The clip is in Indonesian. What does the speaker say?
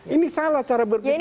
ini salah cara berpikirnya